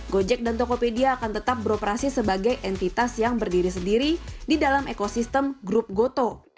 gojek dan tokopedia akan tetap beroperasi sebagai entitas yang berdiri sendiri di dalam ekosistem grup goto